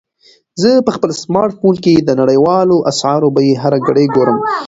زه په خپل سمارټ فون کې د نړیوالو اسعارو بیې هره ګړۍ ګورم.